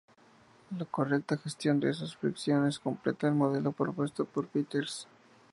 La correcta gestión de esas fricciones completa el modelo propuesto por Peters.